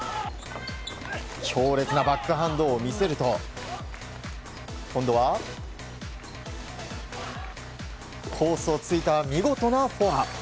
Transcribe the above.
強烈なバックハンドを見せると今度はコースをついた見事なフォア。